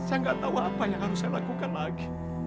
saya nggak tahu apa yang harus saya lakukan lagi